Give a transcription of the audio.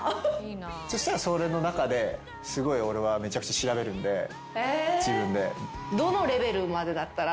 そしたらそれの中ですごい俺はめちゃくちゃ調べるんで自分で。